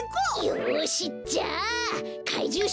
よしじゃあかいじゅうしょうぶだ！